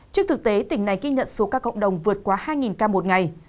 trước thực tế tỉnh này ghi nhận số ca cộng đồng vượt quá hai ca một ngày